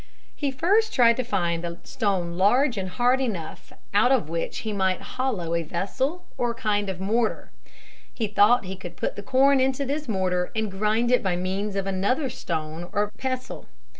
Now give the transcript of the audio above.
He first tried to find a stone large and hard enough out of which he might hollow a vessel or kind of mortar. He thought he could put the corn into this mortar and grind it by means of another stone or pestle.